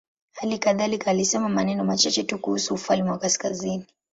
Hali kadhalika alisema maneno machache tu kuhusu ufalme wa kaskazini.